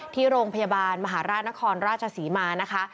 ที่โรงพยาบาลมหาราชนครราชศรีมานะคะ